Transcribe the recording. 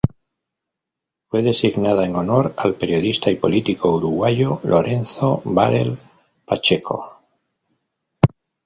Fue designada en honor al periodista y político uruguayo Lorenzo Batlle Pacheco.